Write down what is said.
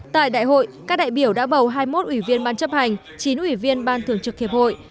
tại đại hội các đại biểu đã bầu hai mươi một ủy viên ban chấp hành chín ủy viên ban thường trực hiệp hội